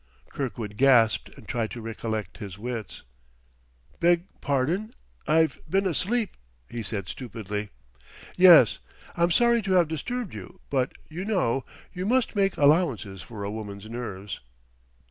Kirkwood gasped and tried to re collect his wits. "Beg pardon I've been asleep," he said stupidly. "Yes. I'm sorry to have disturbed you, but, you know, you must make allowances for a woman's nerves."